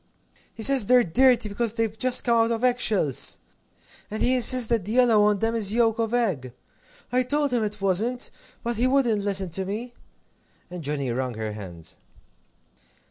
"He says they're dirty, because they've just come out of egg shells! And he insists that the yellow on them is yolk of egg. I told him it wasn't, but he wouldn't listen to me." And Johnnie wrung her hands.